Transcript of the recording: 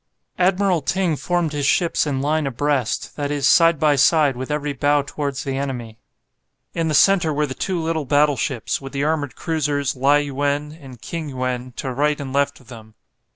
Admiral Ting formed his ships in line abreast, that is side by side with every bow towards the enemy. In the centre were the two little battleships, with the armoured cruisers, "Lai yuen" and "King yuen," to right and left of them.